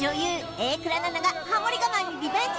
榮倉奈々がハモリ我慢にリベンジ